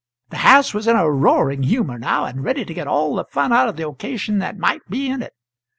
The house was in a roaring humour now, and ready to get all the fun out of the occasion that might be in it.